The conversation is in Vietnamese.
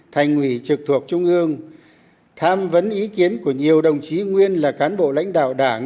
thành ủy trực thuộc trung ương tham vấn ý kiến của nhiều đồng chí nguyên là cán bộ lãnh đạo đảng